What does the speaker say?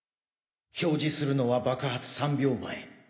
表示するのは爆発３秒前。